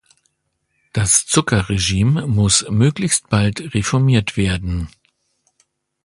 Das Zuckerregime muss möglichst bald reformiert werden.